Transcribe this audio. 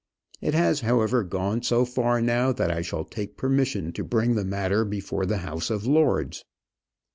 It has however gone so far now that I shall take permission to bring the matter before the House of Lords."